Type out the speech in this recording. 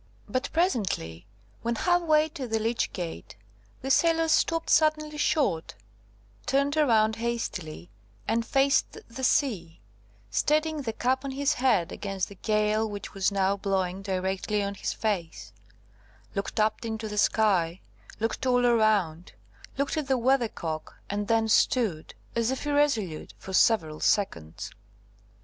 But presently, when half way to the Lych gate, the sailor stopped suddenly short, turned around hastily, and faced the sea, steadying the cap on his head against the gale which was now blowing directly on his face–looked up into the sky–looked all around–looked at the Weathercock, and then stood, as if irresolute, for several seconds.